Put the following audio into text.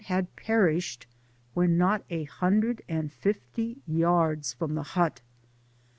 had perished when not a hundred and fifty yards from the hut.